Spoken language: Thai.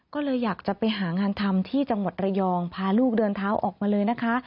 ก็เลยอยากจะไปหางานทำที่จังหวัดระยองพาลูกเดินเท้าออกมาเลยนะคะ